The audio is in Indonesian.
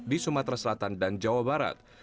di sumatera selatan dan jawa barat